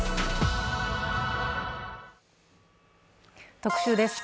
特集です。